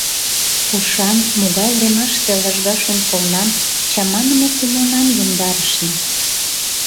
Кушан, могай времаште лыжга шӱм-кылнам, чаманыме кумылнам йомдарышна?